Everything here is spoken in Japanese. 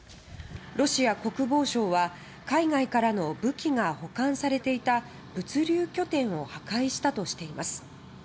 ロシア国防省は海外からの武器が保管されていた物流拠点を破壊したとしています。